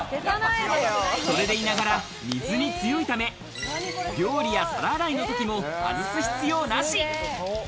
それでいながら水に強いため、料理や皿洗いの時も外す必要なし。